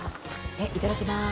いただきます。